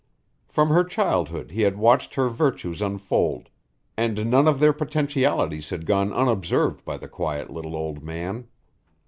From her childhood he had watched her virtues unfold and none of their potentialities had gone unobserved by the quiet little old man.